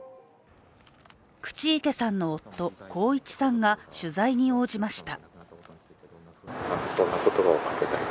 口池さんの夫、幸一さんが取材に応じました。